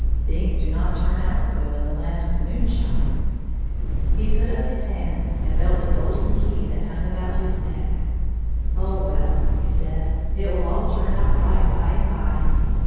Things do not turn out so in the land of moonshine. He put up his hand and felt the golden key that hung about his neck. " Oh, well," he said, "it will all turn out right, by and by."